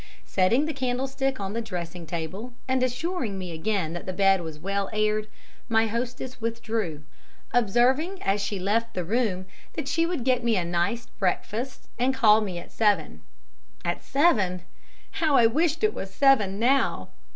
Setting the candlestick on the dressing table, and assuring me again that the bed was well aired, my hostess withdrew, observing as she left the room that she would get me a nice breakfast and call me at seven. At seven! How I wished it was seven now!